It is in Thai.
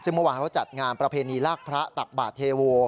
ซึ่งเมื่อวานเขาจัดงานประเพณีลากพระตักบาทเทโว